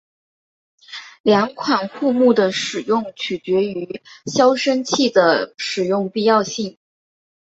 两款护木的使用取决于消声器的使用必要性。